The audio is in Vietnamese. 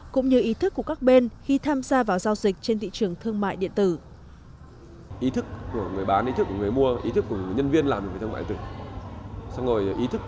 cũng như ý thức của các bên khi tham gia vào giao dịch trên thị trường thương mại điện tử